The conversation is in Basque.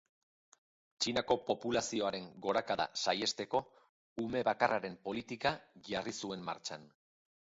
Txinako populazioaren gorakada saihesteko ume bakarraren politika jarri zuen martxan.